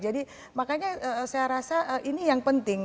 jadi makanya saya rasa ini yang penting